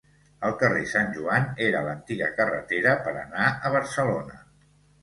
El carrer Sant Joan era l'antiga carretera per anar a Barcelona.